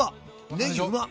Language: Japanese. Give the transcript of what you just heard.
ねぎうまっ！